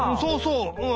うん！